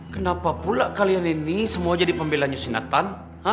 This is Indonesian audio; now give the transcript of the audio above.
kenapa pula kalian ini semua jadi pembelanya si nathan